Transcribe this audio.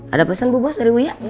ada pesan bu bos dari buya